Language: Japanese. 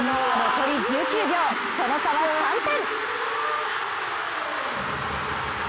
残り１９秒、その差は３点。